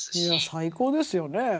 いや最高ですよね。